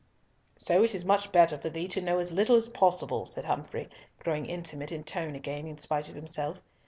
"So is it much better for thee to know as little as possible," said Humfrey, growing intimate in tone again in spite of himself.